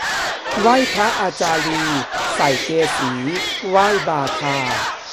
ไหว้พระอาจารีย์ ใส่เกศีไหว้บาทา